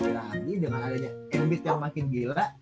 kira kira lagi dengan adanya ambit yang makin gila